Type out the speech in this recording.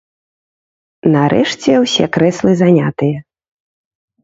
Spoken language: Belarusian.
Нарэшце ўсе крэслы занятыя.